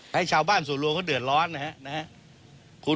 ให้ชาวบ้านสู่รวงความเสื้อแดนเหลวเดือดร้อน